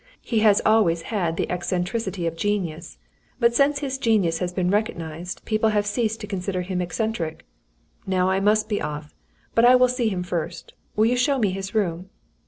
He has always had the eccentricity of genius; but, since his genius has been recognised, people have ceased to consider him eccentric. Now I must be off. But I will see him first. Will you show me his room?"